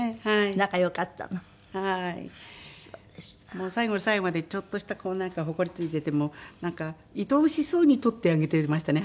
もう最後の最後までちょっとしたなんかほこり付いててもなんかいとおしそうに取ってあげてましたね